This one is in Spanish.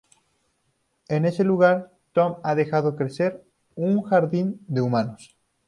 En ese lugar Tom ha dejado crecer un "jardín de humanos".